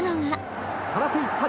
空手一発。